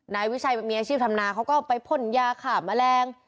นายวิชัยมีอาชีพทำนาเขาก็ไปพ่นยาขาแมลง